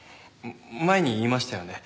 前に言いましたよね。